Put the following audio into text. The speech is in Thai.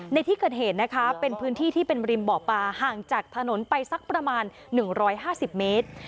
ในที่เกิดเหตุนะคะเป็นพื้นที่ที่เป็นริมบ่อปลาห่างจากถนนไปสักประมาณ๑๕๐เมตร